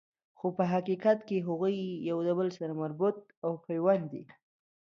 خو په حقیقت کی هغوی یو د بل سره مربوط او پیوند دي